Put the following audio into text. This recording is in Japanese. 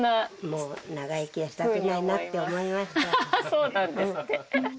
そうなんですって。